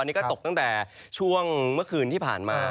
นี่ก็ตกตั้งแต่ช่วงเมื่อคืนที่ผ่านมา